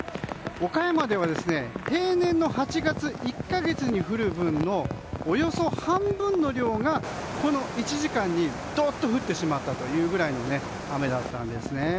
岡山では平年の８月１か月に降る分のおよそ半分の量がこの１時間にどっと降ってしまったというぐらいの雨でした。